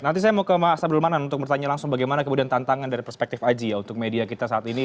nanti saya mau ke mas abdul manan untuk bertanya langsung bagaimana kemudian tantangan dari perspektif aji ya untuk media kita saat ini